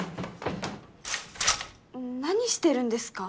何してるんですか？